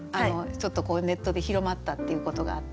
ちょっとこうネットで広まったっていうことがあって。